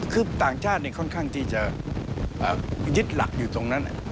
คือต่างชาติค่อนข้างที่จะยึดหลักอยู่ตรงนั้น